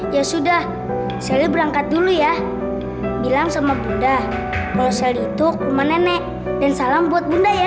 ya sudah sally berangkat dulu ya bilang sama bunda kalau sally itu ke rumah nenek dan salam buat bunda ya